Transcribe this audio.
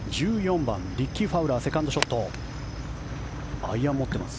１４番、リッキー・ファウラーセカンドショット。